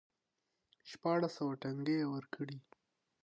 شپاړس سوه ټنګې یې ورکړې.